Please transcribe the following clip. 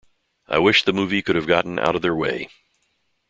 I wish the movie could have gotten out of their way.